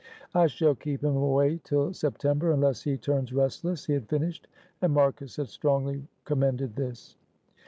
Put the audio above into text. "I shall keep him away until September, unless he turns restless," he had finished, and Marcus had strongly commended this.